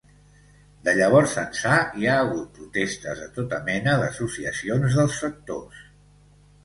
De llavors ençà, hi ha hagut protestes de tota mena d’associacions dels sectors.